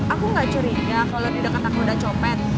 aku gak curiga kalau di dekat aku udah copet